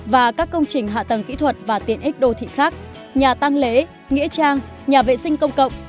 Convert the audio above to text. và các công trình hạ tầng kỹ thuật và tiện ích đô thị khác nhà tăng lễ nghĩa trang nhà vệ sinh công cộng